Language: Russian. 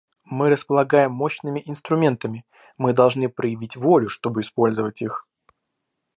Мы располагаем мощными инструментами; мы должны проявить волю, чтобы использовать их.